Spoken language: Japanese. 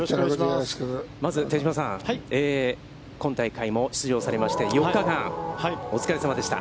まず手嶋さん、今大会も出場されまして、４日間お疲れさまでした。